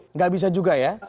enggak bisa juga ya